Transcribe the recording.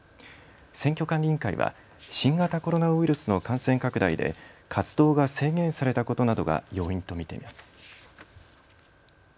選挙管理委員会は新型コロナウイルスの感染拡大で活動が制限されたことなどが要因と見ています。